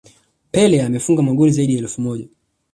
Pele amefunga magoli zaidi ya elfu moja